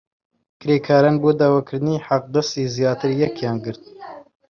کرێکاران بۆ داواکردنی حەقدەستی زیاتر یەکیان گرت.